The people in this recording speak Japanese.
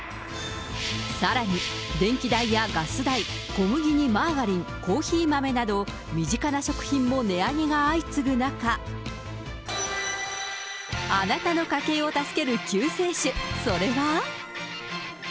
さらに、電気代やガス代、小麦にマーガリン、コーヒー豆など身近な食品も値上げが相次ぐ中、あなたの家計を助ける救世主、それが。